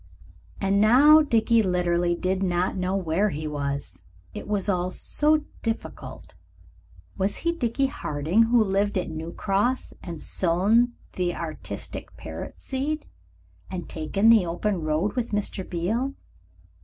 And now Dickie literally did not know where he was. It was all so difficult. Was he Dickie Harding who had lived at New Cross, and sown the Artistic Parrot Seed, and taken the open road with Mr. Beale?